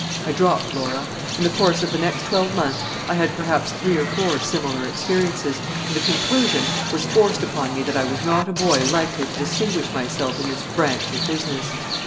I dropped Laura. In the course of the next twelve months I had perhaps three or four similar experiences, and the conclusion was forced upon me that I was not a boy likely to distinguish myself in this branch of business.